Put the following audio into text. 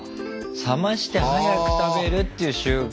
冷まして早く食べるっていう習慣。